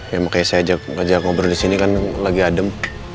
ya makanya saya ajak ngobrol disini kan lagi adem